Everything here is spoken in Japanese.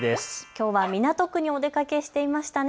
きょうは港区にお出かけしていましたね。